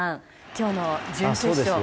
今日の準決勝。